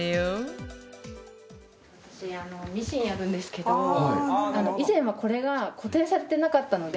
私あのミシンやるんですけど以前はこれが固定されてなかったので。